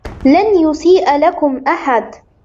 لن يسيء لكم أحد.